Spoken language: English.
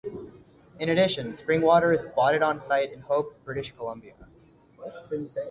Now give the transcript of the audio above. In addition, spring water is botted on-site in Hope, British Columbia.